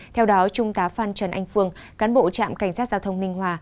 theo đó trung tá phan trần anh phương cán bộ trạm cảnh sát giao thông ninh hòa